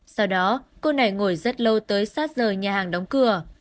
sau đó cô này ngồi rất lâu tới sát rời nhà hàng đóng cửa